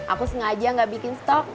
aku sengaja gak bikin stok